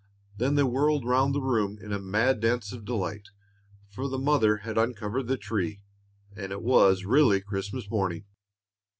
Then they whirled round the room in a mad dance of delight, for the mother had uncovered the tree, and it was really Christmas morning.